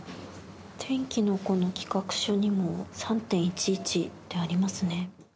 「天気の子」の企画書にも３・１１ってありますね。